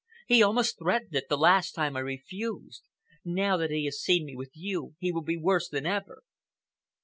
He almost threatened it, the last time I refused. Now that he has seen me with you, he will be worse than ever."